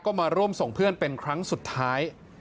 ก็มาร่วมส่งเพื่อนเป็นครั้งสุดท้าย